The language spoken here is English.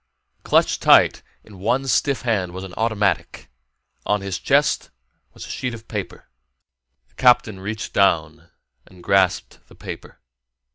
Clutched tight in one stiff hand was an automatic. On his chest was a sheet of paper. The captain reached down and grasped the paper.